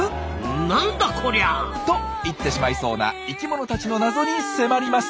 なんだこりゃ！と言ってしまいそうな生きものたちの謎に迫ります！